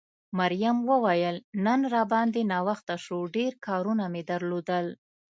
مريم وویل نن را باندې ناوخته شو، ډېر کارونه مې درلودل.